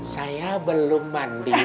saya belum mandi